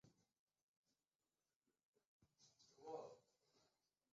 নীরজা বললে, বাবু হয়ে উঠেছ?